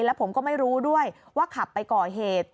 แล้วผมก็ไม่รู้ด้วยว่าขับไปก่อเหตุ